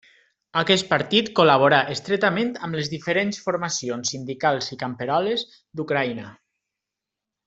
Aquest partit col·laborà estretament amb les diferents formacions sindicals i camperoles d'Ucraïna.